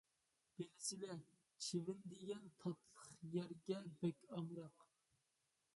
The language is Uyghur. بىلىسىلە، چىۋىن دېگەن تاتلىق يەرگە بەك ئامراق.